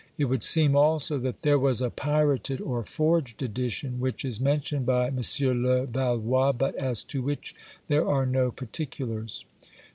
It would seem also that there was a pirated or forged edition, which is mentioned by M. Levallois, but as to which there are no particulars.